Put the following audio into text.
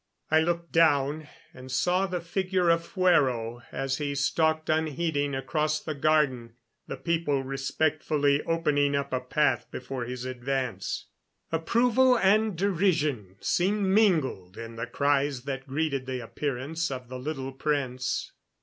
I looked down and saw the figure of Fuero as he stalked unheeding across the garden, the people respectfully opening up a path before his advance. Approval and derision seemed mingled in the cries that greeted the appearance of the little prince.